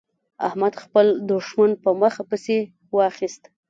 احمد خپل دوښمن په مخه پسې واخيست.